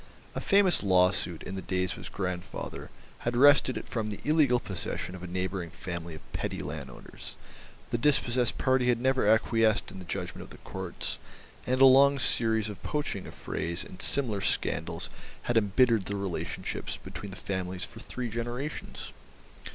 A famous law suit, in the days of his grandfather, had wrested it from the illegal possession of a neighbouring family of petty landowners; the dispossessed party had never acquiesced in the judgment of the Courts, and a long series of poaching affrays and similar scandals had embittered the relationships between the families for three generations.